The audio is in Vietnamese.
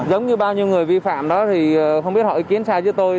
giống như bao nhiêu người vi phạm đó thì không biết họ ý kiến sai chứ tôi